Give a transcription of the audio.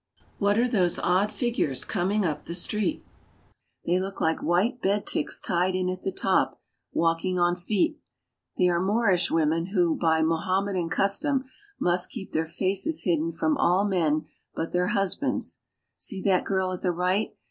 What are those odd figures coming up street ? They look like white bedticks tied in at the top, walking on feet. They are Moorish women who, by Mohamme dan custom, must ■'keep their faces hidden from all men but their husbands. 1 See that girl at the right.